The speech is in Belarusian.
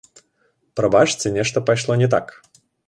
Прабачце, нешта пайшло не так.